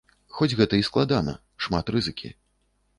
Хоць гэта і складана, шмат рызыкі.